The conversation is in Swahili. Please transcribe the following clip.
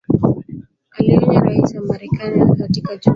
alionya raisi wa marekani wa wakati huo John Kennedy